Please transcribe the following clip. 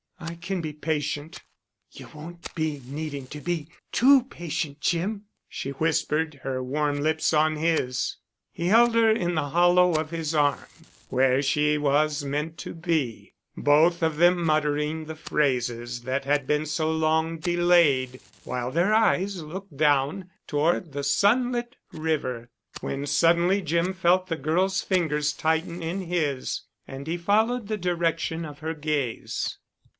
"I can be patient——" "You won't be needing to be too patient, Jim," she whispered, her warm lips on his. He held her in the hollow of his arm, where she was meant to be, both of them muttering the phrases that had been so long delayed, while their eyes looked down toward the sun lit river, when suddenly Jim felt the girl's fingers tighten in his and he followed the direction of her gaze.